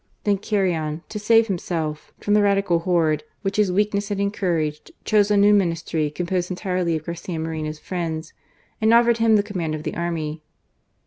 Then Carrion, to save himself from the Radical horde which his weakness had encouraged, chose a new Ministry, composed entirely of Garcia Moreno's friends, and offered him the ■] command of the army.